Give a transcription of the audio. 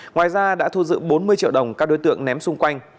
ngoài ra đã thu giữ bốn mươi triệu đồng các đối tượng ném xung quanh